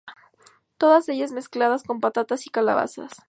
Todas ellas mezcladas con patatas y calabazas.